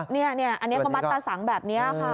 นี่อันนี้ก็มัดตาสังแบบนี้ค่ะ